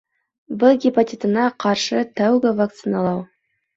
В гепатитына ҡаршы тәүге вакциналау